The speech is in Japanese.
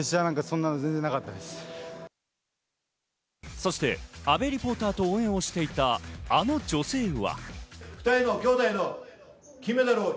そして阿部リポーターと応援をしていたあの女性は。